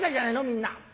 みんな。